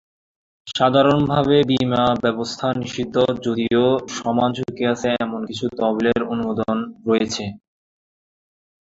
সাধারণভাবে বীমা ব্যবস্থাও নিষিদ্ধ যদিও সমান ঝুঁকি আছে এমন কিছু তহবিলের অনুমোদন রয়েছে।